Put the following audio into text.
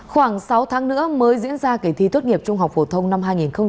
khoảng sáu tháng nữa mới diễn ra kỳ thi tốt nghiệp trung học phổ thông năm hai nghìn hai mươi